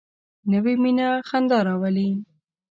نوې مینه خندا راولي